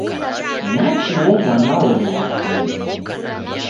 Nachi uo mwana olema fundo!